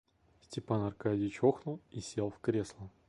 Степан Аркадьич охнул и сел в кресло.